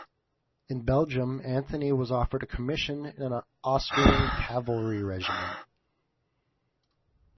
In Belgium, Anthony was offered a commission in an Austrian cavalry regiment.